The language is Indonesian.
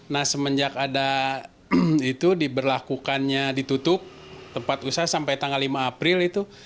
nah semenjak ada itu diberlakukannya ditutup tempat usaha sampai tanggal lima april itu